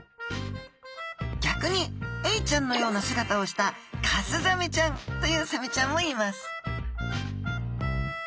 逆にエイちゃんのような姿をしたカスザメちゃんというサメちゃんもいます